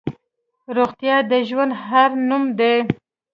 روغتیا د ژوند هر نوم دی.